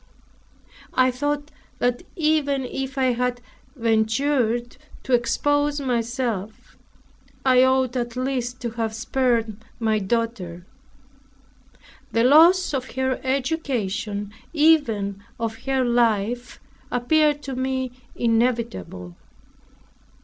I thought that even if I had ventured to expose myself, I ought at least to have spared my daughter. The loss of her education, even of her life, appeared to me inevitable.